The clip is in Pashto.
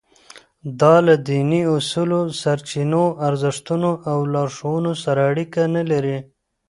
دا له دیني اصولو، سرچینو، ارزښتونو او لارښوونو سره اړیکه نه لري.